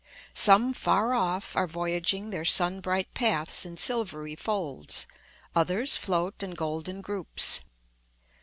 Some, far off, are voyaging their sun bright paths in silvery folds; others float in golden groups.